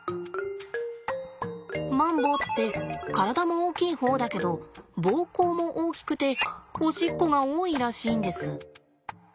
マンボウって体も大きい方だけど膀胱も大きくておしっこが多いらしいんです。